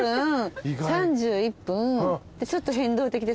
でちょっと変動的で。